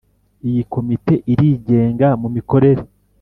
Iyi komite irigenga mu mikorere